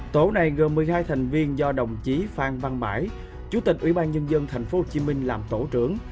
tổ này gồm một mươi hai thành viên do đồng chí phan văn bãi chủ tịch ubnd tp hcm làm tổ trưởng